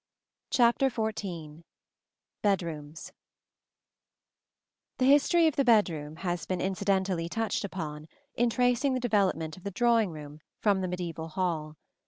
XIV BEDROOMS The history of the bedroom has been incidentally touched upon in tracing the development of the drawing room from the mediæval hall.